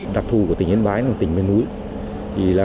tạp thù của tỉnh yên bái là tỉnh bên núi